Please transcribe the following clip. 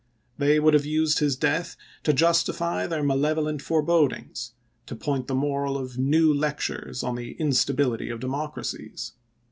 They would have used his death to justify their malevolent forebodings, to point the moral of new lectures on the instability of democracies.